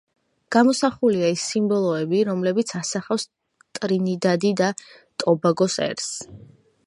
გამოსახულია ის სიმბოლოები, რომლებიც ასახავს ტრინიდადი და ტობაგოს ერს.